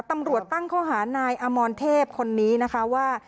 ตำรวจตั้งข้อหานายอมรเทพคนนี้นะคะว่า